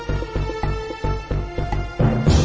กินโทษส่องแล้วอย่างนี้ก็ได้